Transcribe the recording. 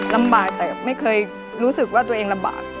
ลำบากแต่ไม่เคยรู้สึกว่าตัวเองลำบาก